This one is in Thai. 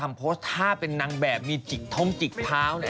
ลูกเธอนี่สุดเลยแบบเป็นนักแบบมีจิกทำจิกท้าว